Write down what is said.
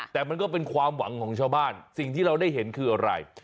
แต่มันก็เป็นความหวังของชาวบ้านสิ่งที่เราได้เห็นคืออะไร